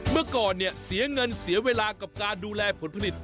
เมื่อก่อนเนี่ยเสียเงินเสียเวลากับการดูแลผลผลิต